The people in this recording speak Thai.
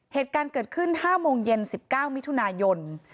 เหตุการณ์เกิดขึ้น๕โมงเย็น๑๙มิถุนายน